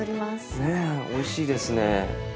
ねえおいしいですね。